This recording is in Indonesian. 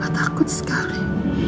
aku takut sekali